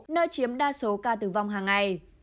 nơi chiếm đa số ca tử vong hàng ngày